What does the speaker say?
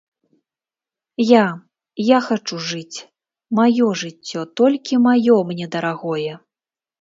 Я, я хачу жыць, маё жыццё, толькі маё, мне дарагое.